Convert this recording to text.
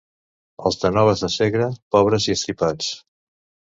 Els de Noves de Segre, pobres i estripats.